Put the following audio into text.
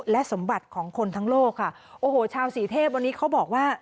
และสมบัติของคนทั้งโลกค่ะโอ้โหชาวสีเทพวันนี้เขาบอกว่า